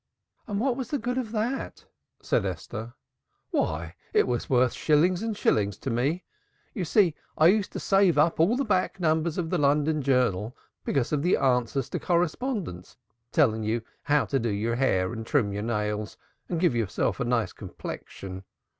"And what was the good of that?" said Esther. "Why, it was worth shillings and shillings to me. You see I used to save up all the back numbers of the London Journal because of the answers to correspondents, telling you how to do your hair and trim your nails and give yourself a nice complexion.